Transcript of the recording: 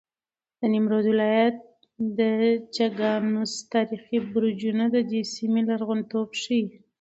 د نیمروز ولایت د چګانوس تاریخي برجونه د دې سیمې لرغونتوب ښیي.